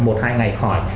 một hai ngày khỏi